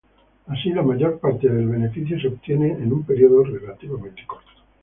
Así, la mayor parte del beneficio se obtiene en un periodo relativamente corto.